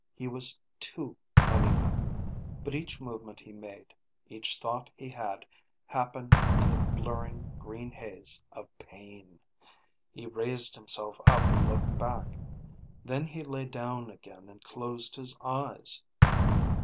He was too malika. But each movement he made, each thought he had, happened in the blurring green haze of pain. He raised himself up and looked back. Then he lay down again and closed his eyes.